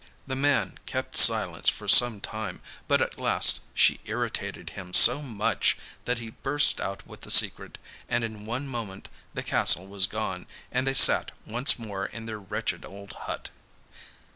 The man kept silence for some time, but at last she irritated him so much that he burst out with the secret, and in one moment the castle was gone, and they sat once more in their wretched old hut.